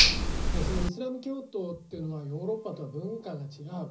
でそのイスラーム教徒っていうのはヨーロッパとは文化が違う。